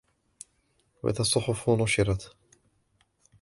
وَإِذَا الصُّحُفُ نُشِرَتْ